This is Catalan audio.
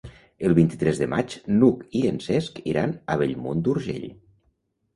El vint-i-tres de maig n'Hug i en Cesc iran a Bellmunt d'Urgell.